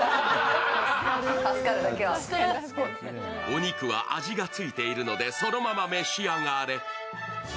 お肉は味がついているのでそのまま召し上がれ。